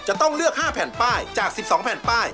จะต้องเลือก๕แผ่นป้ายจาก๑๒แผ่นป้าย